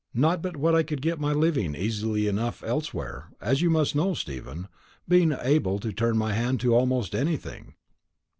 Not but what I could get my living easy enough elsewhere, as you must know, Stephen, being able to turn my hand to almost anything."